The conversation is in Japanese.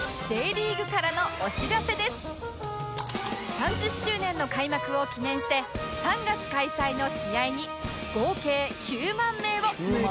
３０周年の開幕を記念して３月開催の試合に合計９万名を無料でご招待！